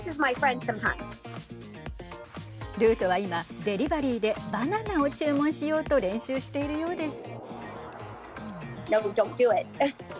ルートは今デリバリーでバナナを注文しようと練習しているようです。